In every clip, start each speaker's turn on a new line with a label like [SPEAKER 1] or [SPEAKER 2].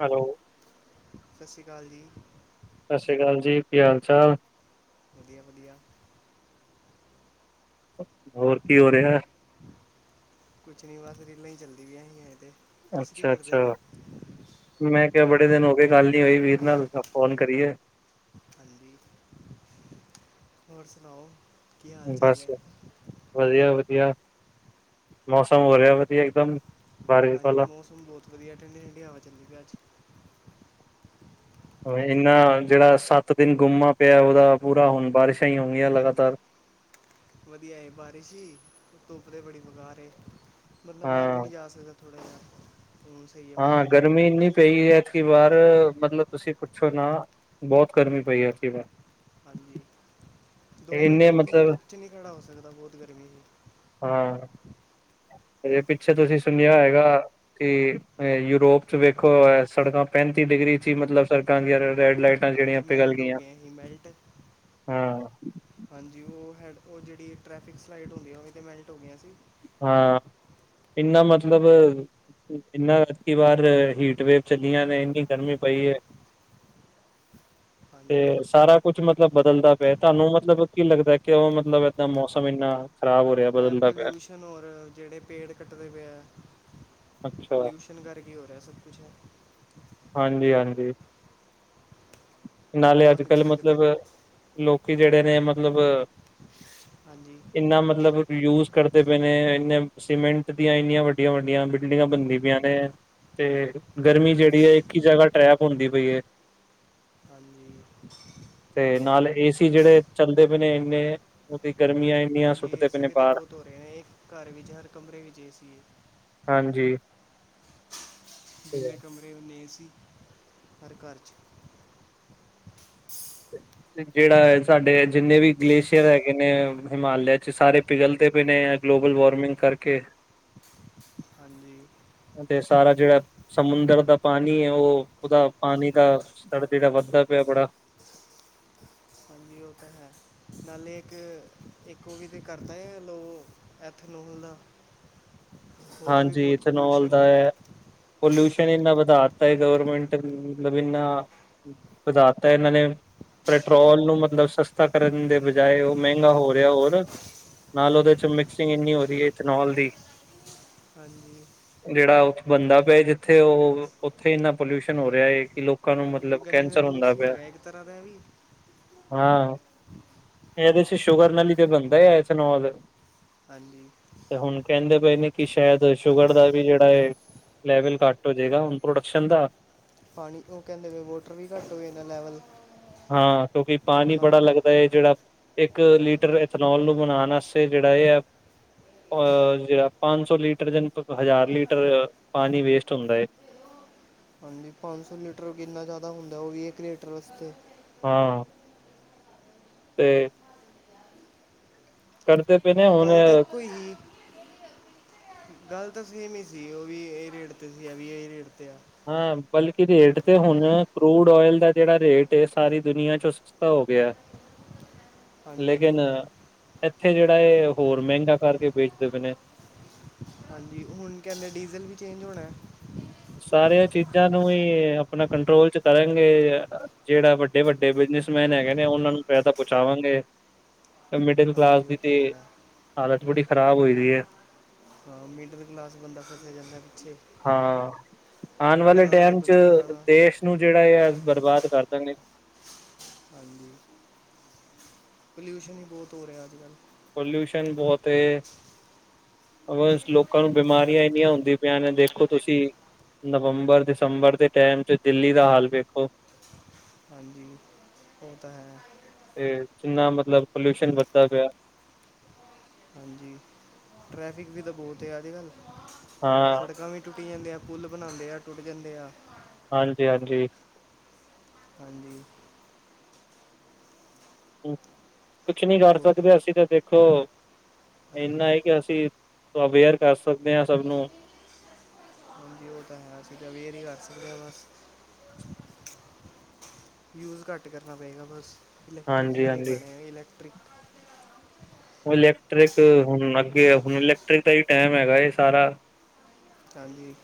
[SPEAKER 1] Hello.
[SPEAKER 2] ਸਤਿ ਸ਼੍ਰੀ ਅਕਾਲ ਜੀ।
[SPEAKER 1] ਸਤਿ ਸ਼੍ਰੀ ਅਕਾਲ ਜੀ ਕੀ ਹਾਲ-ਚਾਲ?
[SPEAKER 2] ਵਧੀਆ ਵਧੀਆ।
[SPEAKER 1] ਹੋਰ ਕੀ ਹੋ ਰਿਹਾ?
[SPEAKER 2] ਕੁਛ ਨ੍ਹੀ ਬਸ ਰੀਲਾਂ ਈ ਚੱਲਦੀ ਪੀਆਂ ਹੀ ਹਜੇ ਤੇ। ਤੁਸੀਂ ਕੀ ਕਰਦੇ
[SPEAKER 1] ਅੱਛਾ-ਅੱਛਾ।
[SPEAKER 2] ਪਏ
[SPEAKER 1] ਮੈਂ ਕਿਹਾ ਬੜੇ ਦਿਨ ਹੋਗੇ ਗੱਲ ਨੀ ਹੋਈ ਵੀਰ ਨਾਲ ਫੋਨ ਕਰੀਏ।
[SPEAKER 2] ਹਾਂਜੀ। ਹੋਰ ਸੁਣਾਓ? ਕੀ ਹਾਲ ਚਾਲ
[SPEAKER 1] ਬਸ,
[SPEAKER 2] ਹੈ
[SPEAKER 1] ਵਧੀਆ-ਵਧੀਆ ਮੌਸਮ ਹੋਰਿਆ ਵਧੀਆ ਇਕਦਮ।
[SPEAKER 2] ਹਾਂਜੀ ਮੌਸਮ ਬਹੁਤ ਵਧੀਆ ਐ ਠੰਡੀ-ਠੰਡੀ ਹਵਾ ਚੱਲੂਗੀ ਅੱਜ।
[SPEAKER 1] ਇੰਨਾ ਜਿਹੜਾ ਸੱਤ ਦਿਨ ਗੁੰਮਾ ਪਿਆ ਉਹਦਾ ਪੂਰਾ ਹੁਣ ਬਾਰਿਸ਼ਾਂ ਹੀ ਹੋਣਗੀਆਂ
[SPEAKER 2] ਹਾਂਜੀ
[SPEAKER 1] ਲਗਾਤਾਰ।
[SPEAKER 2] ਵਧੀਆ ਹੈ ਬਾਰਿਸ਼ ਹੀ, ਧੁੱਪ ਤਾਂ ਬੜੀ ਬੇਕਾਰ ਏ ਬੰਦਾ ਬਾਹਰ ਵੀ
[SPEAKER 1] ਹਾਂ।
[SPEAKER 2] ਨਹੀਂ ਜਾ ਸਕਦਾ। ਥੋੜਾ ਜਿਹਾ ਸਹੀ ਹੈ
[SPEAKER 1] ਹਾਂ
[SPEAKER 2] ਮੌਸਮ
[SPEAKER 1] ਗਰਮੀ ਇੰਨੀ ਪਈ ਏ ਕਿ ਵਾਰ ਮਤਲਬ ਤੁਸੀ ਪੁੱਛੋ ਨਾ ਬਹੁਤ ਗਰਮੀ ਪਈ ਏ ਐਤਕੀ ਵਾਰ।
[SPEAKER 2] ਹਾਂਜੀ, ਦੋ ਮਿੰਟ
[SPEAKER 1] ਇੰਨੇ
[SPEAKER 2] ਵੀ ਬੰਦਾ
[SPEAKER 1] ਮਤਲਬ
[SPEAKER 2] ਧੁੱਪ 'ਚ ਨਹੀਂ ਖੜ੍ਹਾ ਹੋ ਸਕਦਾ ਬਹੁਤ ਗਰਮੀ ਏ।
[SPEAKER 1] ਹਾਂ। ਹਜੇ ਪਿੱਛੇ ਤੁਸੀਂ ਸੁਣਿਆ ਹੈਗਾ। ਤੇ ਯੂਰੋਪ ਚ ਵੇਖੋ ਸੜਕਾਂ ਪੈਂਤੀ ਡਿਗਰੀ ਚ ਹੀ ਮਤਲਬ ਸੜਕਾਂ ਦੀਆਂ ਰੈਡ ਲਾਈਟ
[SPEAKER 2] ਹਾਂਜੀ ਮੈਲਟ ਹੋ ਗਏ ਸੀ ਮੈਲਟ।
[SPEAKER 1] ਹਾਂ
[SPEAKER 2] ਹਾਂਜੀ ਉਹ ਹੈਡ ਉਹ ਜਿਹੜੀ ਟ੍ਰੈਫਿਕ ਸਲਾਈਟ ਹੁੰਦੀ ਆ ਉਹ ਤੇ ਮੈਲਟ ਹੋ ਗਈਆਂ ਸੀ।
[SPEAKER 1] ਹਾਂ, ਇੰਨਾ ਮਤਲਬ ਇੰਨਾ ਰਾਤ ਵਾਰ ਹੀਟਵੇਵ ਚੱਲੀਆਂ ਨੇ ਇੰਨੀ ਗਰਮੀ ਪਈ ਏ।
[SPEAKER 2] ਹਾਂਜੀ
[SPEAKER 1] ਤੇ ਸਾਰਾ ਕੁਛ ਮਤਲਬ ਬਦਲਦਾ ਪਿਆ ਐ ਤੁਹਾਨੂੰ ਮਤਲਬ ਕੀ ਲੱਗਦਾ ਐ ਕਿਓ ਮਤਲਬ ਏਦਾਂ ਮੌਸਮ ਏਨਾ
[SPEAKER 2] ਐ ਪਲਿਊਸ਼ਨ ਔਰ ਜੇਹੜੇ ਪੇੜ ਕੱਟਦੇ ਪਏ ਐ,
[SPEAKER 1] ਅੱਛਾ
[SPEAKER 2] ਪਲਿਊਸ਼ਨ ਕਰਕੇ ਈ ਹੋ ਰਿਹਾ ਸਭ ਕੁਛ।
[SPEAKER 1] ਹਾਂਜੀ-ਹਾਂਜੀ, ਨਾਲੇ ਅੱਜ
[SPEAKER 2] ਤੁਹਾਨੂੰ ਕੀ
[SPEAKER 1] ਕੱਲ
[SPEAKER 2] ਲੱਗਦਾ
[SPEAKER 1] ਮਤਲਬ। ਲੋਕੀ ਜਿਹੜੇ ਨੇ ਮਤਲਬ
[SPEAKER 2] ਹਾਂਜੀ।
[SPEAKER 1] ਇੰਨਾ ਮਤਲਬ ਯੂਜ ਕਰਦੇ ਪਏ ਨੇ, ਇੰਨੇ ਸੀਮੈਂਟ ਦੀਆਂ ਇੰਨੀਆਂ ਵੱਡੀਆਂ- ਵੱਡੀਆਂ ਬਿਲਡਿੰਗਾਂ ਬਣਦੀ ਪਈਆਂ ਨੇ। ਤੇ ਗਰਮੀ ਜਿਹੜੀ ਏ, ਇੱਕ ਹੀ ਜਗ੍ਹਾ ਟਰੈਪ ਹੁੰਦੀ ਪਈ ਏ।
[SPEAKER 2] ਹੂੰ।
[SPEAKER 1] ਤੇ ਨਾਲ ਏਸੀ ਜਿਹੜੇ ਚੱਲਦੇ ਪਏ ਨੇ, ਇੰਨੇ ਉਹਦੀ ਗਰਮੀਆਂ। ਇੰਨੀਆਂ
[SPEAKER 2] ਹਾਂਜੀ
[SPEAKER 1] ਸੁੱਟਦੇ ਪਏ
[SPEAKER 2] ਏਸੀ
[SPEAKER 1] ਨੇ
[SPEAKER 2] ਵੀ ਤਾਂ
[SPEAKER 1] ਬਾਹਰ
[SPEAKER 2] ਬਹੁਤ ਹੋ ਰਹੇ ਨੇ, ਇੱਕ ਘਰ ਵਿੱਚ ਹਰ ਕਮਰੇ ਵਿੱਚ ਏ ਸੀ ਏ।
[SPEAKER 1] ਹਾਂਜੀ।
[SPEAKER 2] ਜਿੰਨੇ
[SPEAKER 1] ਤੇ
[SPEAKER 2] ਕਮਰੇ ਉਹਨੇ ਏ ਸੀ, ਹਰ ਘਰ 'ਚ।
[SPEAKER 1] ਜਿਹੜਾ ਸਾਡੇ ਜਿੰਨੇ ਵੀ ਗਲੇਸ਼ੀਅਰ ਹੈਗੇ ਨੇ ਹਿਮਾਲਿਆ 'ਚ ਸਾਰੇ ਪਿਘਲਦੇ ਪਏ ਨੇ। ਗਲੋਬਲ ਵਾਰਮਿੰਗ ਕਰਕੇ।
[SPEAKER 2] ਹਾਂਜੀ।
[SPEAKER 1] ਤੇ ਸਾਰਾ ਜਿਹੜਾ। ਸਮੁੰਦਰ ਦਾ ਪਾਣੀ ਏ ਓ ਓਹਦਾ ਪਾਣੀ ਦਾ ਸਤਰ ਜਿਹੜਾ ਵੱਧਦਾ ਪਿਆ ਬੜਾ।
[SPEAKER 2] ਨੀ ਓ ਤਾ ਹੈ। ਨਾਲੇ ਇਕ ਇਕ ਓ ਵੀ ਤੇ ਕਰਦਾ ਐ ਲੋ ਐਥਨੋਲ। ਉਹਦਾ ਵੀ
[SPEAKER 1] ਹਾਂਜੀ
[SPEAKER 2] ਬਹੁਤ
[SPEAKER 1] ਇਥਨੋਲ
[SPEAKER 2] ਪੋਲਿਊਸ਼ਨ
[SPEAKER 1] ਦਾ
[SPEAKER 2] ਹੈ
[SPEAKER 1] ਐ ਪਲਿਊਸ਼ਨ ਇੰਨਾ ਵਧਾ ਤਾ ਏ। ਗੌਰਮੈਂਟ ਮਤਲਬ ਏਨਾ ਵਧਾਤਾ ਇਹਨਾਂ ਨੇ। ਪੈਟਰੋਲ ਨੂੰ ਮਤਲਬ ਸਸਤਾ ਕਰਨ ਦੇ ਬਜਾਏ ਉਹ ਮਹਿੰਗਾ ਹੋ ਰਿਹਾ ਹੋਰ। ਨਾਲ ਉਹਦੇ 'ਚ ਮਿਕਸਿੰਗ ਇੰਨੀ ਹੋ ਰਹੀ ਏ ਈਥਨੋਲ ਦੀ।
[SPEAKER 2] ਹਾਂਜੀ।
[SPEAKER 1] ਜਿਹੜਾ ਉ ਬੰਦਾ ਪਿਆ ਜਿੱਥੇ ਉਹ ਉੱਥੇ ਇੰਨਾ ਪੋਲਿਊਸ਼ਨ ਹੋ ਰਿਹਾ ਹੈ ਕਿ ਲੋਕ ਲੋਕਾਂ ਨੂੰ
[SPEAKER 2] ਹਾਂਜੀ
[SPEAKER 1] ਮਤਲਬ
[SPEAKER 2] ਗੰਨੇ ਦਾ
[SPEAKER 1] ਕੈਂਸਰ ਹੁੰਦਾ
[SPEAKER 2] ਜੂਸ ਹੀ
[SPEAKER 1] ਪਿਆ
[SPEAKER 2] ਹੈਗਾ ਇੱਕ ਤਰ੍ਹਾਂ ਦਾ ਇਹ ਵੀ
[SPEAKER 1] ਹਾਂ, ਇਹਦੇਸੀ ਸ਼ੁਗਰ ਨਾਲ ਤੇ ਬਣਦਾ ਹੈ ਇਥਨੌਲ
[SPEAKER 2] ਹਾਂਜੀ
[SPEAKER 1] ਤੇ ਹੁਣ ਕਹਿੰਦੇ ਪਏ ਨੇ ਕਿ ਸ਼ਾਇਦ ਸ਼ੂਗਰ ਦਾ ਵੀ ਜਿਹੜਾ ਹੈ, ਲੈਵਲ ਘੱਟ ਹੋ ਜਾਏਗਾ ਹੁਣ ਪ੍ਰੋਡਕਸ਼ਨ ਦਾ
[SPEAKER 2] ਪਾਣੀ ਉਹ ਕਹਿੰਦੇ ਵੋਟਰ ਵੀ ਘੱਟ ਹੋਵੇ ਇਹਦਾ ਲੈਵਲ, ਆਪਣਾ
[SPEAKER 1] ਇਹ ਜਿਹੜਾ, ਇੱਕ ਲੀਟਰ ਇਥਨੋਲ ਨੂੰ ਬਣਾਉਣ ਵਾਸਤੇ ਜਿਹੜਾ ਇਹ ਹੈ ਅਹ ਜਿਹੜਾ ਪੰਜ ਸੌ ਲੀਟਰ ਜਨ ਹਜ਼ਾਰ ਲੀਟਰ ਪਾਣੀ ਵੇਸਟ ਹੁੰਦਾ ਹੈ
[SPEAKER 2] ਹਾਂਜੀ, ਪੰਜ ਸੌ ਲੀਟਰ ਕਿੰਨਾ ਜ਼ਿਆਦਾ ਹੁੰਦਾ ਉਹ ਵੀ ਇੱਕ ਲੀਟਰ ਵਾਸਤੇ
[SPEAKER 1] ਹਾਂ ਤੇ ਕਰਦੇ ਪਏ ਨੇ ਹੁਣ
[SPEAKER 2] ਗੱਲ ਤਾਂ ਇੱਕੋ ਹੀ ਗੱਲ ਤਾਂ ਸੇਮ ਹੀ ਸੀ, ਉਹ ਵੀ ਇਹ ਰੇਟ ਤੇ ਸੀ ਇਹ ਵੀ ਇਹ ਰੇਟ ਤੇ ਆ
[SPEAKER 1] ਹਾਂ ਬਲਕਿ ਰੇਟ ਤੇ ਹੁਣ, ਕਰੂਡ ਓਇਲ ਦਾ ਜਿਹੜਾ ਰੇਟ ਸਾਰੀ ਦੁਨੀਆਂ 'ਚ-' ਸਸਤਾ ਹੋ ਗਿਆ
[SPEAKER 2] ਹਾਂਜੀ
[SPEAKER 1] ਲੇਕਿਨ, ਇੱਥੇ ਜਿਹੜਾ ਹੈ ਹੋਰ ਮਹਿੰਗਾ ਕਰਕੇ ਵੇਚਦੇ ਪਏ ਨੇ
[SPEAKER 2] ਹਾਂਜੀ, ਹੁਣ ਕਹਿੰਦੇ ਡੀਜ਼ਲ ਵੀ ਚੇਂਜ ਹੋਣਾ
[SPEAKER 1] ਸਾਰੀਆਂ ਚੀਜ਼ਾਂ ਨੂੰ ਹੀ ਆਪਣਾ ਕੰਟਰੋਲ 'ਚ ਕਰਾਂਗੇ ਜਿਹੜਾ ਵੱਡੇ- ਵੱਡੇ ਬਿਜਨਸਮੈਨ ਹੈਗੇ ਨੇ ਉਹਨਾਂ ਨੂੰ ਪੈਸਾ ਪਹੁੰਚਾਵਾਂਗੇ ਮਿਡਲ ਕਲਾਸ
[SPEAKER 2] ਹਾਂਜੀ ਉਹ
[SPEAKER 1] ਦੀ
[SPEAKER 2] ਤਾਂ
[SPEAKER 1] ਤੇ,
[SPEAKER 2] ਹੈਗਾ
[SPEAKER 1] ਹਾਲਤ ਬੜੀ ਖ਼ਰਾਬ ਹੋਈ ਦੀ ਹੈ
[SPEAKER 2] ਹਾਂ ਮਿਡਲ ਕਲਾਸ ਬੰਦਾ ਫਸਿਆ ਜਾਂਦਾ ਪਿੱਛੇ
[SPEAKER 1] ਹਾਂ ਆਉਣ ਵਾਲੇ
[SPEAKER 2] ਇਹਨਾਂ ਦਾ ਤਾਂ
[SPEAKER 1] ਟਾਈਮ 'ਚ,
[SPEAKER 2] ਕੁਝ ਨਹੀਂ ਜਾਣਾ
[SPEAKER 1] ਦੇਸ਼ ਨੂੰ ਜਿਹੜਾ ਆ ਬਰਬਾਦ ਕਰ ਦੇਣਗੇ
[SPEAKER 2] ਹਾਂਜੀ, ਪਲਿਊਸ਼ਨ ਹੀ ਬਹੁਤ ਹੋ ਰਿਹਾ ਅੱਜ -ਕੱਲ੍ਹ
[SPEAKER 1] ਪੋਲਿਊਸ਼ਨ ਬਹੁਤ, ਅਗ ਲੋਕਾਂ ਨੂੰ ਬਿਮਾਰੀਆਂ ਇੰਨੀਆਂ ਹੁੰਦੀਆਂ ਧਿਆਨ ਨਾਲ ਦੇਖੋ
[SPEAKER 2] ਬਿਆਨ ਦੇ
[SPEAKER 1] ਤੁਸੀਂ, ਨਵੰਬਰ ਦਸੰਬਰ ਦੇ ਟਾਈਮ 'ਚ ਦਿੱਲੀ ਦਾ ਹਾਲ ਵੇਖੋ
[SPEAKER 2] ਹਾਂਜੀ, ਉਹ ਤਾਂ ਹੈ
[SPEAKER 1] ਤੇ, ਜਿੰਨਾ ਮਤਲਬ ਪੋਲਿਊਸ਼ਨ ਵੱਧਦਾ ਪਿਆ।
[SPEAKER 2] ਹਾਂਜੀ, ਟਰੈਫਿਕ ਵੀ ਤਾਂ ਬਹੁਤ ਹੈ ਅੱਜ ਕੱਲ੍ਹ
[SPEAKER 1] ਹਾਂ
[SPEAKER 2] ਸੜਕਾਂ ਵੀ ਟੁੱਟੀ ਜਾਂਦੇ ਆ, ਪੁੱਲ ਬਣਾਉਂਦੇ ਆ ਟੁੱਟ ਜਾਂਦੇ ਆ।
[SPEAKER 1] ਹਾਂਜੀ, ਹਾਂਜੀ।
[SPEAKER 2] ਹਾਂਜੀ।
[SPEAKER 1] ਕੁਛ ਨੀ ਕਰ
[SPEAKER 2] ਉਹ
[SPEAKER 1] ਸਕਦੇ, ਅਸੀਂ ਤਾਂ ਦੇਖ ਦੇਖੋ,
[SPEAKER 2] ਹਾਂਜੀ
[SPEAKER 1] ਇੰਨਾ ਹੈ ਕਿ ਅਸੀਂ ਅਵੇਅਰ ਕਰ ਸਕਦੇ ਹਾਂ ਸਭ ਨੂੰ
[SPEAKER 2] ਹਾਂਜੀ ਉਹ ਤਾਂ ਹੈ, ਅਸੀਂ ਤਾਂ ਅਵੇਅਰ ਹੀ ਕਰ ਸਕਦੇ ਹਾਂ ਬਸ। ਯੂਜ ਘੱਟ ਕਰਨਾ ਪਵੇਗਾ ਬਸ, ਇਲੈਕਟ੍ਰਿਕ
[SPEAKER 1] ਹਾਂਜੀ
[SPEAKER 2] ਲਉਣੇ
[SPEAKER 1] ਹਾਂਜੀ
[SPEAKER 2] ਪੈਣੇ ਹੈ ਇਲੈਕਟ੍ਰਿਕ।
[SPEAKER 1] ਇਲੈਕਟ੍ਰਿਕ ਹੋਣ ਲਗ ਗੇ, ਹੁਣ ਇਲੈਕਟ੍ਰਿਕ ਦਾ ਹੀ ਟਾਈਮ ਹੈਗਾ ਸਾਰਾ।
[SPEAKER 2] ਹਾਂਜੀ,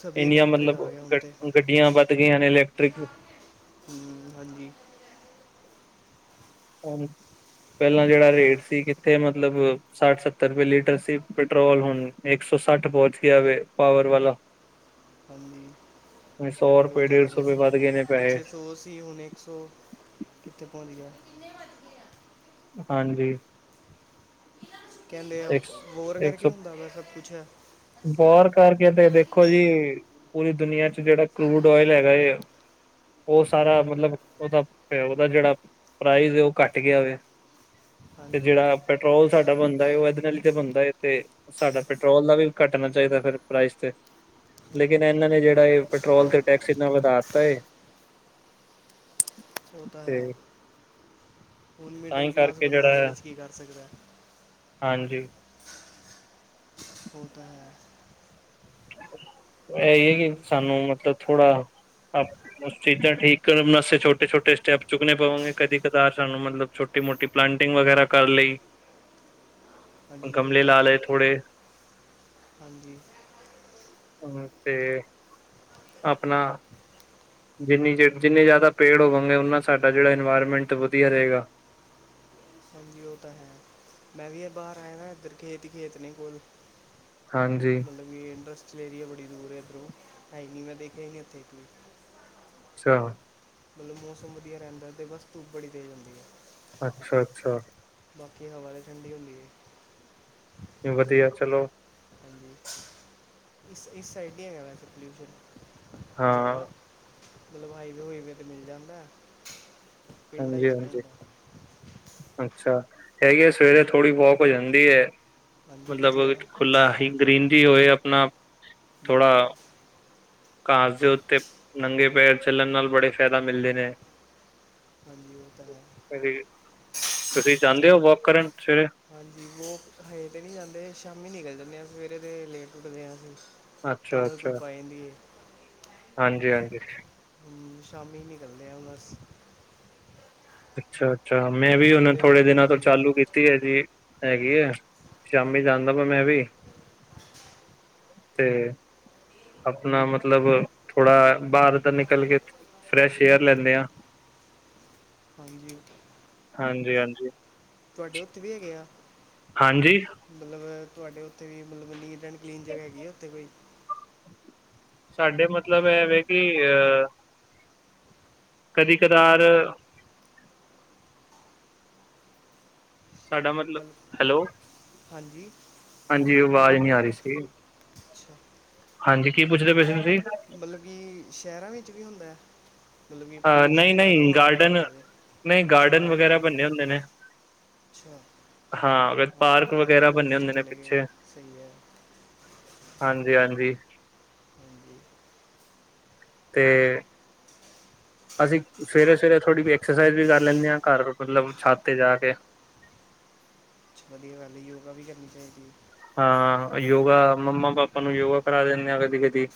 [SPEAKER 2] ਸਭ
[SPEAKER 1] ਇੰਨੀਆਂ
[SPEAKER 2] ਇਲੈਕਟ੍ਰਿਕ
[SPEAKER 1] ਮਤਲਬ
[SPEAKER 2] ਆ ਗਿਆ ਹੁਣ
[SPEAKER 1] ਗ
[SPEAKER 2] ਤੇ।
[SPEAKER 1] ਗੱਡੀਆਂ ਵੱਧ ਗਈਆਂ ਨੇ ਇਲੈਕਟ੍ਰਿਕ।
[SPEAKER 2] ਹੂੰ, ਹਾਂਜੀ।
[SPEAKER 1] ਪਹਿਲਾਂ ਜਿਹੜਾ ਰੇਟ ਸੀ, ਕਿੱਥੇ ਮਤਲਬ ਸੱਠ, ਸੱਤਰ ਰੁਪਏ ਲੀਟਰ ਸੀ ਪੈਟਰੋਲ ਹੁਣ ਇੱਕ ਸੌ ਸੱਠ ਪਹੁੰਚ ਗਿਆ ਪਾਵਰ ਵਾਲਾ। [inaudible]
[SPEAKER 2] ਹਨੀ [inaudible] [unintelligible]
[SPEAKER 1] ਸੌ
[SPEAKER 2] ਬਹੁਤ
[SPEAKER 1] ਰੁਪਏ
[SPEAKER 2] ਜ਼ਿਆਦਾ
[SPEAKER 1] ਡੇਢ ਸੌ ਰੁਪਏ
[SPEAKER 2] ਮਹਿੰਗਾ ਹੋ
[SPEAKER 1] ਵੱਧ
[SPEAKER 2] ਗਿਆ
[SPEAKER 1] ਗਏ ਨੇ
[SPEAKER 2] ਏ,
[SPEAKER 1] ਪੈਸੇ
[SPEAKER 2] ਛੇ ਸੌ ਓ ਸੀ ਹੁਣ ਇੱਕ ਸੌ ਕਿੱਥੇ ਪਹੁੰਚ ਗਿਆ।
[SPEAKER 1] ਹਾਂਜੀ।
[SPEAKER 2] ਕਹਿੰਦੇ ਆ,
[SPEAKER 1] ਇੱਕ
[SPEAKER 2] ਵੌਰ ਕਰਕੇ ਹੁੰਦਾ ਵਾ ਸਭ ਕੁਛ।
[SPEAKER 1] ਬਾਰ ਕਰਕੇ ਤੇ ਦੇਖੋ ਜੀ ਪੂਰੀ ਦੁਨੀਆਂ ਚ ਜਿਹੜਾ ਕਰੂਡ ਓਇਲ ਹੈਗਾ ਉਹ ਸਾਰਾ ਮਤਲਬ ਉਹਦਾ ਪੇ ਉਹਦਾ ਜਿਹੜਾ ਪ੍ਰਾਈਜ਼ ਉਹ ਘੱਟ ਗਿਆ ਵੇ। ਤੇ
[SPEAKER 2] ਹਾਂਜੀ
[SPEAKER 1] ਜਿਹੜਾ ਪੈਟਰੋਲ ਸਾਡਾ ਬਣਦਾ ਏ ਉਹ ਇਹਦੇ ਨਾਲ ਤੇ ਬਣਦਾ ਹੈਏ ਤੇ ਸਾਡਾ ਪੈਟਰੋਲ ਦਾ ਵੀ ਘੱਟਣਾ ਚਾਹੀਦਾ ਫਿਰ ਪ੍ਰਾਈਜ਼ ਤੇ। ਲੇਕਿਨ
[SPEAKER 2] ਹਾਂਜੀ
[SPEAKER 1] ਇਹਨਾਂ ਨੇ ਜਿਹੜਾ ਇਹ ਪੈਟਰੋਲ ਤੇ ਟੈਕਸ ਇੰਨਾ ਵਧਾ ਦਿੱਤਾ ਹੈ
[SPEAKER 2] ਓ ਤਾ ਹੈ। ਹੁਣ
[SPEAKER 1] ਤਾਂ
[SPEAKER 2] ਮਿਡਲ
[SPEAKER 1] ਹੀ
[SPEAKER 2] ਕਲਾਸ
[SPEAKER 1] ਕਰਕੇ
[SPEAKER 2] ਬੰਦਾ
[SPEAKER 1] ਜਿਹੜਾ
[SPEAKER 2] ਇਹਦੇ
[SPEAKER 1] ਹੈ
[SPEAKER 2] ਵਿੱਚ ਕੀ ਕਰ ਸਕਦਾ ਹੈ?
[SPEAKER 1] ਹਾਂਜੀ।
[SPEAKER 2] ਓ ਤਾ ਹੈ।
[SPEAKER 1] ਇਹੀ ਹੈ ਕਿ ਸਾਨੂੰ ਮਤਲਬ ਥੋੜਾ ਆਪ ਚੀਜ਼ਾਂ ਠੀਕ ਕਰਨਾਸੇ ਛੋਟੇ ਛੋਟੇ ਸਟੈਪ ਚੁੱਕਣੇ ਪਵਾਂਗੇ, ਕਦੀ ਕਤਾਰ ਸਾਨੂੰ ਮਤਲਬ ਛੋਟੀ ਮੋਟੀ ਪਲਾਂਟਿੰਗ ਵਗੈਰਾ ਕਰ ਲਈ,
[SPEAKER 2] ਹਾਂਜੀ ਉਹ
[SPEAKER 1] ਗਮਲੇ
[SPEAKER 2] ਤਾਂ
[SPEAKER 1] ਲਾ
[SPEAKER 2] ਹੈ
[SPEAKER 1] ਲਏ ਥੋੜੇ
[SPEAKER 2] ਹਾਂਜੀ।
[SPEAKER 1] ਹਮ ਤੇ [unintelligible] ਆਪਣਾ ਜਿੰਨੀ ਜ ਜਿੰਨੇ ਜ਼ਿਆਦਾ ਪੇੜ ਹੋਵਾਂਗੇ, ਉਨਾ ਸਾਡਾ ਜਿਹੜਾ ਇਨਵਾਇਰਮੈਂਟ ਵਧੀਆ ਰਹੇਗਾ।
[SPEAKER 2] ਹਾਂਜੀ ਉਹ ਤਾਂ ਹੈ, ਮੈਂ ਵੀ ਇਹ ਬਾਹਰ ਆਇਆ ਇੱਧਰ ਖੇਤ, ਖੇਤ ਨੇ ਕੋਲ
[SPEAKER 1] ਹਾਂਜੀ।
[SPEAKER 2] ਇੰਡਸਟਰੀਲ ਏਰੀਆ ਬੜੀ ਦੂਰ ਹੈ ਇੱਧਰੋਂ, ਟਾਈ ਮੈਂ ਦੇਖੇ ਇੱਥੇ
[SPEAKER 1] ਅੱਛਾ।
[SPEAKER 2] ਮਤਲਬ, ਮੌਸਮ ਵਧੀਆ ਰਹਿੰਦਾ ਤੇ ਬਸ ਧੂਪ ਬੜੀ ਤੇਜ਼ ਆਂਦੀ ਹੈ।
[SPEAKER 1] ਅੱਛਾ, ਅੱਛਾ।
[SPEAKER 2] ਬਾਕੀ ਹਵਾ ਤਾਂ ਠੰਡੀ ਹੁੰਦੀ ਹੈ।
[SPEAKER 1] ਵਧੀਆ ਚਲੋ।
[SPEAKER 2] ਹਾਂਜੀ। ਇਸ, ਇਸ ਸਾਈਡ ਨੀ ਹੇਗਾ ਵੈਸੇ ਪੋਲਿਊਸ਼ਨ
[SPEAKER 1] ਹਾਂ
[SPEAKER 2] ਜ਼ਿਆਦਾ ਹਲਵਾਈ ਵਿਹਈ ਫੇ ਤੇ ਮਿਲ ਜਾਂਦਾ। ਪਿੰਡਾਂ
[SPEAKER 1] ਹਾਂਜੀ,
[SPEAKER 2] 'ਚ ਨਹੀਂ
[SPEAKER 1] ਹਾਂਜੀ।
[SPEAKER 2] ਹੁੰਦਾ
[SPEAKER 1] ਅੱਛਾ ਹੈਗੀ ਆ ਸਵੇਰੇ ਥੋੜ੍ਹੀ ਵੋਕ ਹੋ ਜਾਂਦੀ ਏ।
[SPEAKER 2] ਹਾਂਜੀ
[SPEAKER 1] ਮਤਲਬ
[SPEAKER 2] ਵਧੀਆ
[SPEAKER 1] ਖੁੱਲਾ, ਹੀ ਗ੍ਰੀਨਰੀ ਹੋਏ ਆਪਣਾ
[SPEAKER 2] ਹਮ,
[SPEAKER 1] ਥੋੜ੍ਹਾ ਘਾਸ ਦੇ ਉੱਤੇ ਨੰਗੇ ਪੈਰ ਚੱਲਣ ਨਾਲ ਬੜੇ ਫਾਇਦਾ ਮਿਲਦੇ ਨੇ
[SPEAKER 2] ਹ ਹਾਂਜੀ ਓਹ ਤਾ ਹੈ।
[SPEAKER 1] ਤੁਸੀਂ ਜਾਂਦੇ ਹੋ ਵੋਕ ਕਰਨ ਸਵੇਰੇ
[SPEAKER 2] ਵੀ ਵੋਕ ਹਜੇ ਤਾਂ ਨਹੀਂ ਜਾਂਦੇ ਸ਼ਾਮੀ ਨਿਕਲ ਜਾਂਦੇ ਹਾਂ ਸਵੇਰੇ ਦੇ ਲੇਟ ਉੱਠਦੇਾਂ ਅਸੀਂ। ਤਾਜ਼ ਧੁਪ ਆ ਜਾਂਦੀ ਹੈ।
[SPEAKER 1] ਹਾਂਜੀ ਹਾਂਜੀ।
[SPEAKER 2] ਸ਼ਾਮੀ ਨਿਕਲਦੇ ਆਾਂ ਹੁਣ ਅਸ
[SPEAKER 1] ਅੱਛਾ ਅੱਛਾ ਮੈਂ ਵੀ
[SPEAKER 2] ਥੋੜ੍ਹੀ
[SPEAKER 1] ਉਹਨਾਂ
[SPEAKER 2] ਦੇਰ
[SPEAKER 1] ਥੋੜੇ ਦਿਨਾਂ ਤੋਂ
[SPEAKER 2] ਹਾਂਜੀ
[SPEAKER 1] ਚਾਲੂ ਕੀਤਾ। ਤੀ ਹੈ ਜੀ ਹੈਗੀ ਐ ਸ਼ਾਮੀ ਜਾਂਦਾ ਪਾ ਮੈਂ ਵੀ ਤੇ। ਆਪਣਾ ਮਤਲਬ ਥੋੜਾ ਬਾਹਰ ਦਾ ਨਿਕਲ ਕੇ ਫਰੈਸ਼ ਏਅਰ ਲੈਂਦੇ ਆ।
[SPEAKER 2] ਹਾਂਜੀ।
[SPEAKER 1] ਹਾਂਜੀ ਹਾਂਜੀ।
[SPEAKER 2] ਤੁਹਾਡੇ ਉੱਥੇ ਵੀ ਹੈਗੇ ਆ।
[SPEAKER 1] ਹਾਂਜੀ।
[SPEAKER 2] ਮਤਲਬ ਤੁਹਾਡੇ ਉੱਥੇ ਵੀ ਮਤਲਬ ਨੀਟ ਐਂਡ ਕਲੀਨ ਜਗ੍ਹਾ ਹੈਗੀ ਆ ਉੱਥੇ ਕੋਈ
[SPEAKER 1] ਸਾਡੇ ਮਤਲਬ ਇਹਵੇ ਕਿ ਅਹ ਕਦੀ ਕਦਾਰ। ਸਾਡਾ ਮਤਲਬ ਹੈਲੋ
[SPEAKER 2] ਹਾਂਜੀ
[SPEAKER 1] ਹਾਂਜੀ
[SPEAKER 2] ਹੈਲੋ
[SPEAKER 1] ਅਵਾਜ਼ ਨੀ ਆ ਰਹੀ ਸੀ।
[SPEAKER 2] ਅੱਛਾ
[SPEAKER 1] ਹਾਂਜੀ ਕੀ ਪੁੱਛਦੇ ਪਏ ਸੀ ਤੁਸੀਂ?
[SPEAKER 2] ਮਤਲਬ ਕਿ ਸ਼ਹਿਰਾਂ ਵਿੱਚ ਵੀ ਹੁੰਦਾ। ਮਤਲਬ ਕਿ
[SPEAKER 1] ਅ ਨਹੀਂ
[SPEAKER 2] ਪਲਊਸ਼ਨ ਜ਼ਿਆਦਾ
[SPEAKER 1] ਨਹੀਂ
[SPEAKER 2] ਹੋਣਾ ਬੜਾ
[SPEAKER 1] ਗਾਰਡਨ
[SPEAKER 2] ਉੱਥੇ ਦੇ
[SPEAKER 1] ਨਹੀਂ
[SPEAKER 2] ਅੱਛੇ ਗਾਰਡਨ ਨੇ
[SPEAKER 1] ਵਗੈਰਾ ਬੰਨੇ ਹੁੰਦੇ ਨੇ
[SPEAKER 2] ਅੱਛਾ ਹਾਂ ਪਾਰਕ
[SPEAKER 1] ਵਗੈਰਾ ਬੰਨੇ
[SPEAKER 2] ਪੂਰਕ ਤੇ
[SPEAKER 1] ਹੁੰਦੇ ਨੇ
[SPEAKER 2] ਚਲੇ
[SPEAKER 1] ਪਿੱਛੇ
[SPEAKER 2] ਗਏ ਸਹੀ ਹੈ।
[SPEAKER 1] ਹਾਂਜੀ ਹਾਂਜੀ।
[SPEAKER 2] [unintelligible]
[SPEAKER 1] ਤੇ ਅਸੀਂ ਸਵੇਰੇ ਸਵੇਰੇ ਥੋੜ੍ਹੀ ਜ ਐਕਸਰਸਾਈਜ਼ ਵੀ ਕਰ ਲੈਂਦੇ ਹਾਂ ਘਰ ਮਤਲਬ ਛਾਤ ਤੇ ਜਾ ਕੇ
[SPEAKER 2] ਅੱਛਾ ਵਧੀਆ ਗੱਲ ਯੋਗਾ ਵੀ ਕਰਨੀ ਚਾਹੀਦੀ।
[SPEAKER 1] ਹਾਂ ਯੋਗਾ ਮੰਮਾ ਪਾਪਾ ਨੂੰ ਯੋਗਾ ਕਰਾ ਦਿੰਦੇ ਹਾਂ ਕਦੀ ਕਦੀ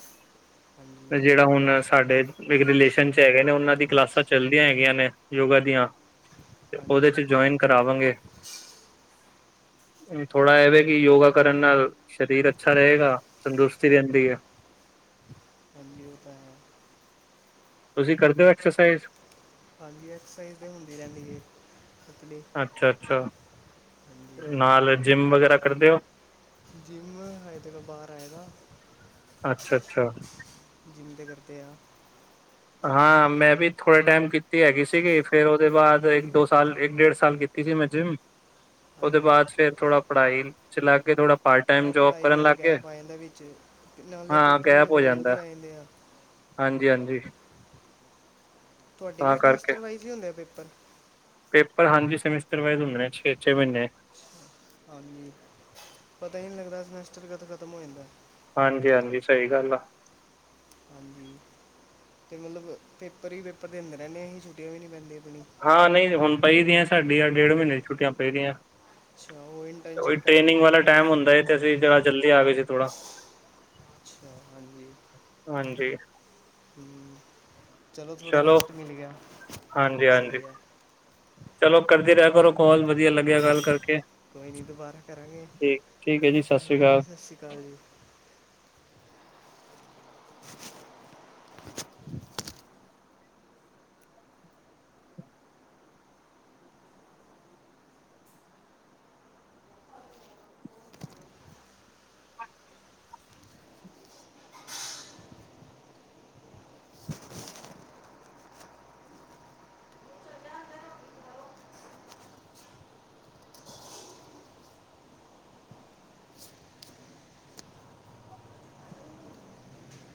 [SPEAKER 2] ਹਾਂਜੀ।
[SPEAKER 1] ਜਿਹੜਾ ਹੁਣ ਸਾਡੇ ਇੱਕ ਰਿਲੇਸ਼ਨ ਚ ਹੈਗੇ ਨੇ ਉਹਨਾਂ ਦੀ ਕਲਾਸਾਂ ਚੱਲਦੀਆਂ ਹੈਗੀਆਂ ਨੇ ਯੋਗਾ ਦੀਆਂ ਤੇ ਉਹਦੇ
[SPEAKER 2] ਹਾਂਜੀ
[SPEAKER 1] ਚ ਜੁਆਇਨ ਕਰਾਵਾਂਗੇ ਥੋੜਾ ਐਵੇ ਕਿ ਯੋਗਾ ਕਰਨ ਨਾਲ ਸਰੀਰ ਅੱਛਾ ਰਹੇਗਾ ਤੰਦਰੁਸਤੀ ਰਹਿੰਦੀ ਹੈ।
[SPEAKER 2] ਕੰ ਵੀ ਔ ਤਾ ਹੈ।
[SPEAKER 1] ਤੁਸੀਂ ਕਰਦੇ ਹੋ ਐਕਸਰਸਾਈਜ਼।
[SPEAKER 2] ਹਾਂਜੀ ਐਕਸਰਸਾਈਜ਼ ਤਾਂ ਹੁੰਦੀ ਰਹਿੰਦੀ ਹੈ ਪਤਲੀ
[SPEAKER 1] ਅੱਛਾ ਅੱਛਾ। ਨਾਲ ਜਿੰਮ ਵਗੈਰਾ ਕਰਦੇ ਹੋ?
[SPEAKER 2] ਜਿੰਮ ਅਜ ਤੱਕ ਬਾਹਰ ਆਏ ਦਾ
[SPEAKER 1] ਅੱਛਾ ਅੱਛਾ।
[SPEAKER 2] ਜਿੰਮ ਦੇ ਕਰਦੇ ਆ
[SPEAKER 1] ਹਾਂ ਮੈਂ ਵੀ ਥੋੜੇ ਟਾਈਮ ਕੀਤੀ ਹੈਗੀ ਸੀਗੀ ਫੇਰ ਉਹਦੇ ਬਾਅਦ ਇੱਕ ਦੋ ਸਾਲ ਇੱਕ ਡੇਢ ਸਾਲ ਕੀਤੀ ਕੀਤੀ ਸੀ ਮੈਂ ਜਿੰਮ ਉਹਦੇ
[SPEAKER 2] ਹਾਂਜੀ
[SPEAKER 1] ਬਾਅਦ ਫੇਰ ਥੋੜਾ ਪੜ੍ਹਾਈ ਚਲਾ ਕੇ ਥੋੜਾ ਪਾਰਟ ਟਾਇਮ
[SPEAKER 2] ਆ
[SPEAKER 1] ਜੋਬ
[SPEAKER 2] ਪੜ੍ਹਾਈ
[SPEAKER 1] ਕਰਨ
[SPEAKER 2] ਨਾਲ
[SPEAKER 1] ਲੱਗ ਗਏ
[SPEAKER 2] ਗੈਪ ਆ ਜਾਂਦਾ ਵਿੱਚ ਤੇ ਨਾਲੇ
[SPEAKER 1] ਹਾਂ
[SPEAKER 2] ਪੇਪਰ ਵੀ
[SPEAKER 1] ਗੈਪ
[SPEAKER 2] ਤਾਂ
[SPEAKER 1] ਹੋ
[SPEAKER 2] ਬੜੀ
[SPEAKER 1] ਜਾਂਦਾ।
[SPEAKER 2] ਜਲਦੀ ਆ ਜਾਂਦੇ ਆ
[SPEAKER 1] ਹਾਂਜੀ ਹਾਂਜੀ।
[SPEAKER 2] ਤੁਹਾਡੇ ਵੀ
[SPEAKER 1] ਤਾਂ ਕਰਕੇ
[SPEAKER 2] ਸਮੈਸਟਰ ਵਾਈਜ਼ ਹੀ ਹੁੰਦਾ ਪੇਪਰ।
[SPEAKER 1] ਪੇਪਰ ਹਾਂਜੀ ਸਮੈਸਟਰ ਵਾਈਜ਼ ਹੁੰਦੇ ਨੇ ਛੇ ਛੇ ਮਹੀਨੇ।
[SPEAKER 2] ਹਾਂਜੀ ਪਤਾ ਹੀ ਨਹੀਂ ਲੱਗਦਾ ਸਮੈਸਟਰ ਕਦੋਂ ਖਤਮ ਹੋ ਜਾਂਦਾ।
[SPEAKER 1] ਹਾਂਜੀ ਹਾਂਜੀ ਸਹੀ ਗੱਲ ਆ।
[SPEAKER 2] ਹਾਂਜੀ ਅਤੇ ਮਤਲਬ ਪੇਪਰ ਹੀ ਪੇਪਰ ਦਿੰਦੇ ਰਹਿੰਦੇ ਅਸੀਂ ਛੁੱਟੀਆਂ ਵੀ ਨਹੀਂ ਪੈਂਦੀ ਆਪਣੀ।
[SPEAKER 1] ਹਾਂ ਨਹੀਂ ਹੁਣ ਪਈ ਦੀਆਂ ਸਾਡੀ ਆ ਡੇਢ ਮਹੀਨੇ ਦੀ ਛੁੱਟੀਆਂ ਪਈ ਦੀਆਂ
[SPEAKER 2] ਅੱਛਾ ਉਹ
[SPEAKER 1] ਉ
[SPEAKER 2] ਇੰਟਰਨਸ਼ਿਪ ਕਰਕੇ
[SPEAKER 1] ਟ੍ਰੇਨਿੰਗ ਵਾਲਾ ਟੈਮ ਹੁੰਦਾ ਤੇ ਅਸੀਂ
[SPEAKER 2] ਹਾਂਜੀ
[SPEAKER 1] ਜਿਹੜਾ ਜਲਦੀ ਆ ਗਏ ਸੀ ਥੋੜਾ
[SPEAKER 2] ਅੱਛਾ, ਹਾਂਜੀ
[SPEAKER 1] ਹਾਂਜੀ।
[SPEAKER 2] ਹ ਚਲੋ ਥੋੜ੍ਹਾ ਰੈਸਟ ਮਿਲ ਗਿਆ,
[SPEAKER 1] ਹਾਂਜੀ ਹਾਂਜੀ
[SPEAKER 2] ਸਹੀ ਹੈ।
[SPEAKER 1] ਚਲੋ ਕਰਦੇ ਰਿਹਾ ਕਰੋ ਕਾਲ, ਵਧੀਆ ਲੱਗਿਆ ਗੱਲ ਕਰਕੇ।
[SPEAKER 2] ਕੋਈ ਨਹੀਂ ਦੁਬਾਰਾ ਕਰਾਂਗੇ,
[SPEAKER 1] ਠੀਕ ਠੀਕ ਹੈ ਜੀ ਸਤਿ ਸ਼੍ਰੀ
[SPEAKER 2] ਹਾਂਜੀ
[SPEAKER 1] ਅਕਾਲ
[SPEAKER 2] ਸਤਿ ਸ਼੍ਰੀ ਅਕਾਲ ਜੀ। [inaudible]